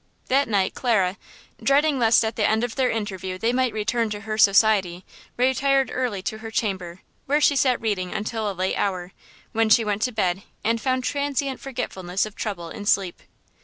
That night Clara, dreading lest at the end of their interview they might return to her society, retired early to her chamber where she sat reading until a late hour, when she went to bed and found transient forgetfulness of trouble in sleep.